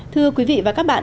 thưa quý vị và các bạn